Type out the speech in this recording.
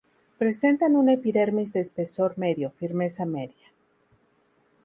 Presentan una epidermis de espesor medio, firmeza media.